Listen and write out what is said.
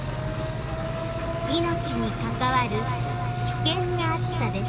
「命に関わる危険な暑さです。